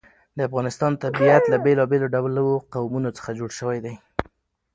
د افغانستان طبیعت له بېلابېلو ډولو قومونه څخه جوړ شوی دی.